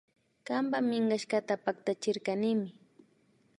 Kanpa minkashkata paktachirkanimi